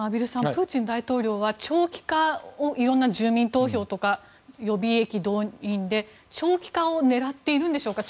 プーチン大統領はいろいろな住民投票とか予備役動員で長期化を狙っているんでしょうか。